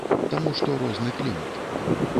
Таму што розны клімат.